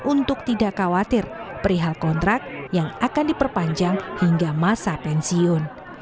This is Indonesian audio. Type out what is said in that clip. untuk tidak khawatir perihal kontrak yang akan diperpanjang hingga masa pensiun